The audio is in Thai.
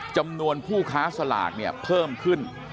จำนวนผู้ค้าสลากเนี่ยเพิ่มขึ้น